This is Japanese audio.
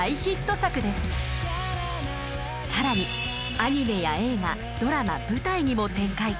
更にアニメや映画ドラマ舞台にも展開。